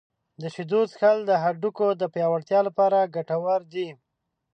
• د شیدو څښل د هډوکو د پیاوړتیا لپاره ګټور دي.